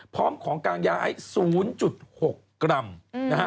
พร้อมของกลางย้าย๐๖กรัมนะฮะ